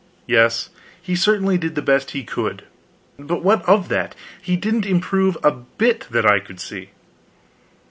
Yes, he certainly did the best he could, but what of that? He didn't improve a bit that I could see.